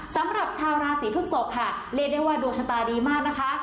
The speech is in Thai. สำหรับชาวราศีพฤกษกค่ะเรียกได้ว่าดวงชะตาดีมากนะคะ